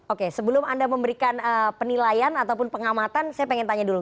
oke sebelum anda memberikan penilaian ataupun pengamatan saya pengen tanya dulu